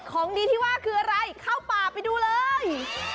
ของดีที่ว่าคืออะไรเข้าป่าไปดูเลย